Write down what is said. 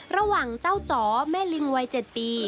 ระหว่างเจ้าจ๋อแม่ลิงวัย๗ปี